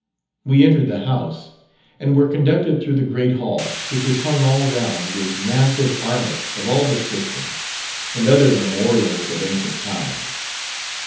We entered the house, and were conducted through the great Hall, which is hung all round with massive armour of all descriptions, and other memorials of ancient times.